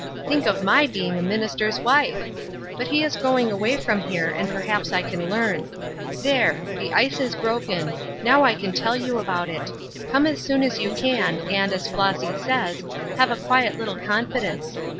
Think of my being a minister's wife I But he is going away from here and perhaps I can learn. There I the ice is broken ; now I can tell you about it. Come as soon as you can, and, as Flossy says, ' Have a quiet little confi dence.'